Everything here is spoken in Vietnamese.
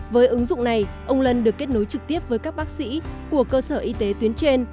với ứng dụng này ông lân được kết nối trực tiếp với các bác sĩ của cơ sở y tế tuyến trên